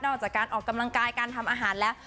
ออกจากการออกกำลังกายการทำอาหารแล้ว